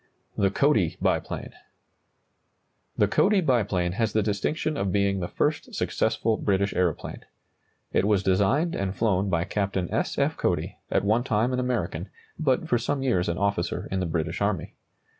THE CODY BIPLANE. The Cody biplane has the distinction of being the first successful British aeroplane. It was designed and flown by Captain S. F. Cody, at one time an American, but for some years an officer in the British army.